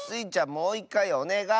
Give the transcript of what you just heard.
もういっかいおねがい！